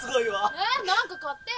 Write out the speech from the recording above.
え何か買ってや。